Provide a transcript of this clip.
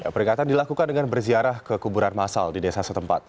peringatan dilakukan dengan berziarah ke kuburan masal di desa setempat